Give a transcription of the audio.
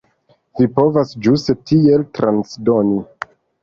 Vi povas ĝuste tiel transdoni.